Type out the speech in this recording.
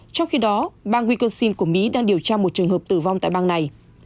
trong khi đó bang wikosin của mỹ đang điều tra một trường hợp tử vong tại bang này